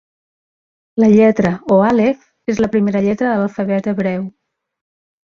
La lletra o àlef és la primera lletra de l'alfabet hebreu.